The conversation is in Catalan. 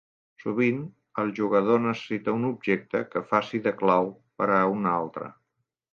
Sovint el jugador necessita un objecte que faci de "clau" per a un altre.